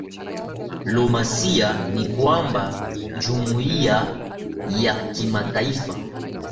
lomasia ni kwamba jumuiya ya kimataifa